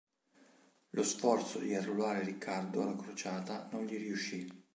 Lo sforzo di arruolare Riccardo alla crociata non gli riuscì.